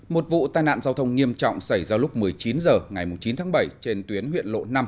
một vụ tai nạn giao thông nghiêm trọng xảy ra lúc một mươi chín h ngày chín tháng bảy trên tuyến huyện lộ năm